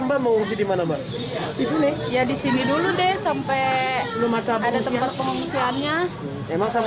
emang sampai saat ini belum ada pengungsiannya